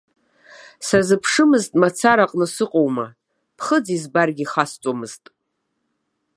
Сазыԥшымызт мацара аҟны сыҟоума, ԥхыӡ избаргьы ихасҵомызт.